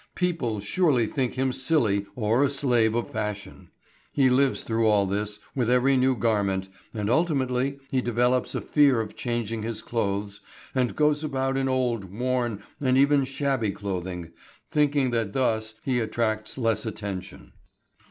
People surely think him silly or a slave of fashion. He lives through all this with every new garment, and ultimately he develops a fear of changing his clothes and goes about in old, worn, and even shabby clothing, thinking that thus he attracts less attention.